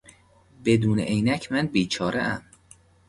بدون عینک من بیچارهام.